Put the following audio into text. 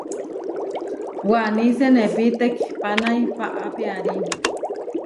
Waní senepí tekihpanái paá piarí.